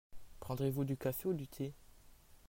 Prendrez-vous du café ou du thé ?